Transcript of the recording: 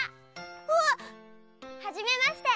うわ！はじめまして！